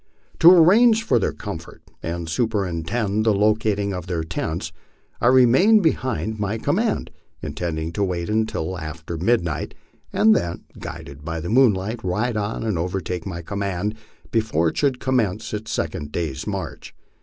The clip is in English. To arrange foi their comfort and superintend the locating of their tents, I remained behind my command, intending to wait until after midnight, and then, guided by the moon light, ride on and overtake my command before it should commence its second day's march.